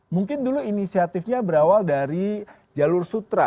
mungkin dulu inisiatifnya berawal dari jalur sutra